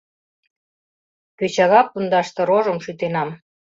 — Кӧчага пундаште рожым шӱтенам.